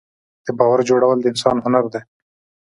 د باور جوړول د انسان هنر دی.